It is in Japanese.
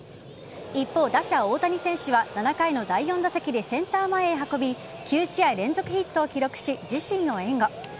一方、打者・大谷選手は７回の第４打席でセンター前へ運び９試合連続ヒットを記録し自身を援護。